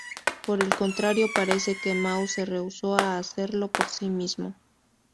Por el contrario, parece que Mao se rehusó a hacerlo por sí mismo.